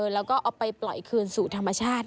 แล้วก็เอาไปปล่อยคืนสู่ธรรมชาติ